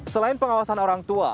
selain pengawasan orang tua